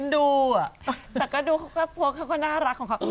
ดูอ่ะแต่ก็ดูพวกเขาก็น่ารักของเขา